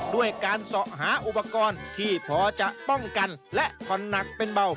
ด้วยการเสาะหาอุปกรณ์ที่พอจะป้องกันและผ่อนหนักเป็นเบา